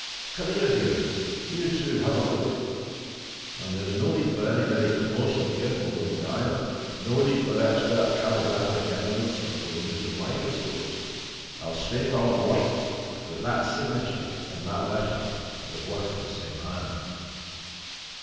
Come here, Hugh! you, too, have a look. And there's no need for any very close or careful looking, either! no need for expert calligraphic evidence, or for the use of microscopes. I'll stake all I'm worth that that signature and that letter are the work of the same hand!"